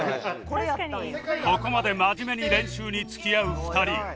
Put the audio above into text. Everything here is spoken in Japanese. ここまで真面目に練習に付き合う２人